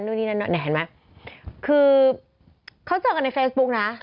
นี่เห็นไหมคือเขาเจอกันในเฟซบุ๊กนะ